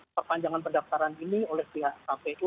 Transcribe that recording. perpanjangan pendaftaran ini oleh pihak kpu